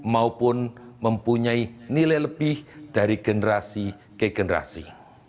maupun mempunyai nilai lebih dari generasi ke generasi